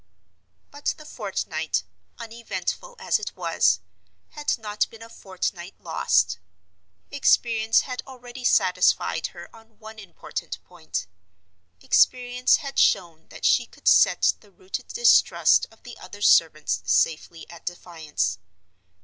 But the fortnight, uneventful as it was, had not been a fortnight lost. Experience had already satisfied her on one important point—experience had shown that she could set the rooted distrust of the other servants safely at defiance.